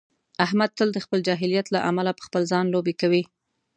احمد تل د خپل جاهلیت له امله په خپل ځان لوبې کوي.